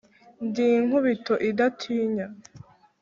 ndi nkubito idatinya,